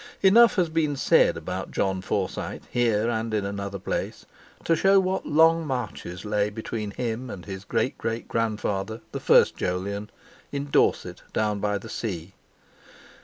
Enough has been said about Jon Forsyte here and in another place to show what long marches lay between him and his great great grandfather, the first Jolyon, in Dorset down by the sea.